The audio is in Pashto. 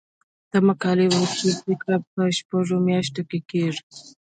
د مقالې وروستۍ پریکړه په شپږو میاشتو کې کیږي.